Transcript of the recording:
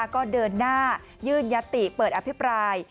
ก็เดินหน้ายื่นยติเปิดอภิปราย